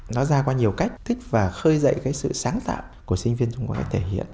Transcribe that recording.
nó ra qua nhiều cách thích và khơi dậy cái sự sáng tạo của sinh viên trung quốc thể hiện